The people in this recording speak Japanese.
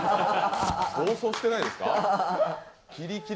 暴走してないですか？